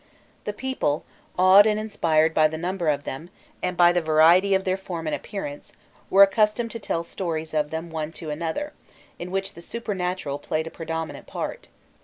The people, awed and inspired by the number of them, and by the variety of their form and appearance, were accustomed to tell stories of them to one another, in which the supernatural played a predominant part.